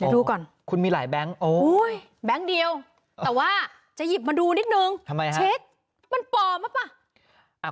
ดูก่อนโอ้ยแบงค์เดียวแต่ว่าจะหยิบมาดูนิดนึงเช็คมันปลอมหรือเปล่า